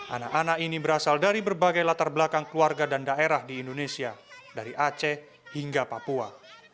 anak anak ini berasal dari berbagai latar belakang keluarga dan daerah di indonesia dari aceh hingga papua